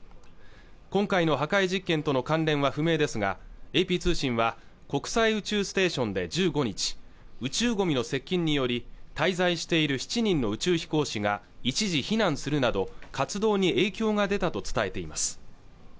今回の破壊実験との関連は不明ですがＡＰ通信は国際宇宙ステーションで１５日宇宙ゴミの接近により滞在している７人の宇宙飛行士が一時避難するなど活動に影響が出たと伝えています